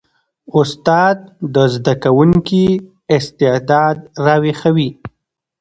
استاد د زده کوونکي استعداد راویښوي.